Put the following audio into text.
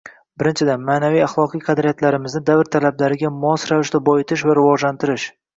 Birinchidan, ma’naviy-axloqiy qadriyatlarimizni davr talablariga mos ravishda boyitish va rivojlantirish